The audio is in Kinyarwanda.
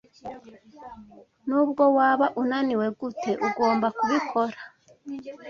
Nubwo waba unaniwe gute, ugomba kubikora.